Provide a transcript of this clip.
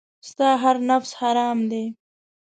ستا هر نفس حرام دی .